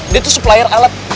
dia tuh supplier alat